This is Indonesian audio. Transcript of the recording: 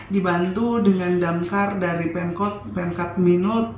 dibantu dengan damkar dari pemkot minut